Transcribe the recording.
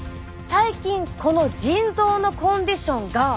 最近この腎臓のコンディションが。